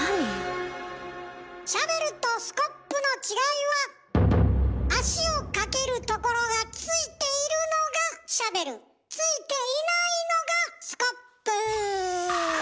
シャベルとスコップの違いは足をかけるところがついているのがシャベルついていないのがスコップ。